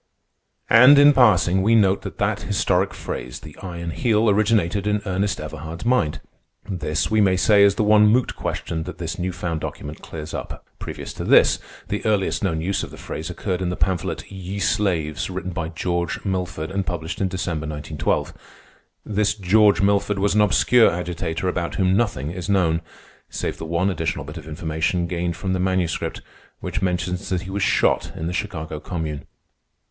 And in passing we note that that historic phrase, the Iron Heel, originated in Ernest Everhard's mind. This, we may say, is the one moot question that this new found document clears up. Previous to this, the earliest known use of the phrase occurred in the pamphlet, "Ye Slaves," written by George Milford and published in December, 1912. This George Milford was an obscure agitator about whom nothing is known, save the one additional bit of information gained from the Manuscript, which mentions that he was shot in the Chicago Commune.